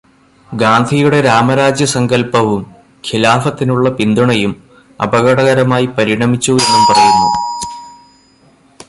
ഗാന്ധിയുടെ രാമരാജ്യസങ്കല്പവും, ഖിലാഫത്തിനുള്ള പിന്തുണയും അപകടകരമായി പരിണമിച്ചു എന്നും പറയുന്നു.